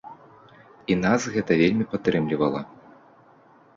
І нас гэта вельмі падтрымлівала.